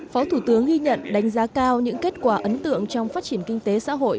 phó thủ tướng ghi nhận đánh giá cao những kết quả ấn tượng trong phát triển kinh tế xã hội